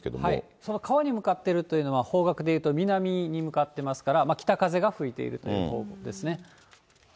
その川に向かっているというのは、方角でいうと南に向かってますから、北風が吹いているという方向ですね。